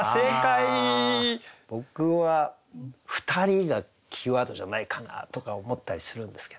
僕は「ふたり」がキーワードじゃないかなとか思ったりするんですけどね。